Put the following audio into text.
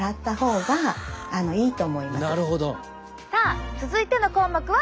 さあ続いての項目はこれ！